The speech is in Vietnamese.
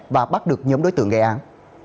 và bắt được nhóm đối tượng gây án